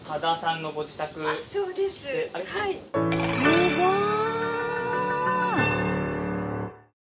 すごーい！